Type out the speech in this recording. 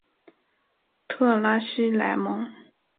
特拉西莱蒙。